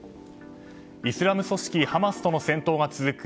イスラム組織ハマスとの戦闘が続く